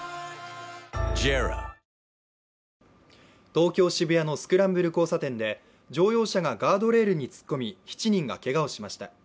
東京・渋谷のスクランブル交差点で乗用車がガードレールに突っ込み７人がけがをしました。